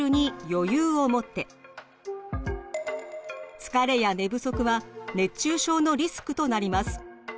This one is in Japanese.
疲れや寝不足は熱中症のリスクとなります。